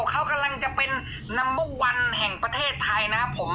เขากำลังจะเป็นนัมเบอร์วันแห่งประเทศไทยนะครับผม